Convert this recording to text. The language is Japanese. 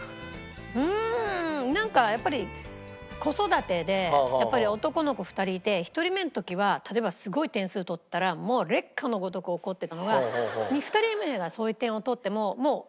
うーんなんかやっぱり子育てでやっぱり男の子２人いて１人目の時は例えばすごい点数取ったらもう烈火のごとく怒ってたのが２人目がそういう点を取ってももう想定内。